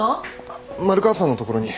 あっ丸川さんのところに。